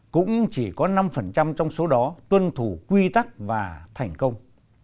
cũng chỉ có năm trong số đó tuân thủ quy tắc và thành công